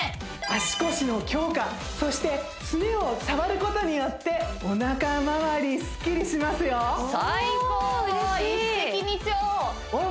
足腰の強化そしてすねを触ることによっておなか回りすっきりしますよお！